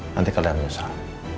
nanti kadang kadang misal